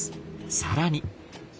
更に。